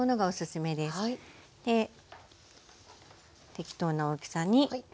適当な大きさに。